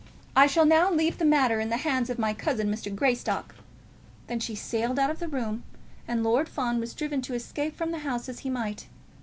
I shall now leave the matter in the hands of my cousin, Mr. Greystock." Then she sailed out of the room, and Lord Fawn was driven to escape from the house as he might.